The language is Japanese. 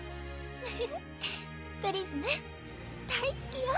フフフプリズム大すきよ